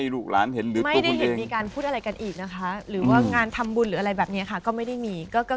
หลังจากคุณยายจากไป๔ปีกลับมาอีกมั้ยค่ะ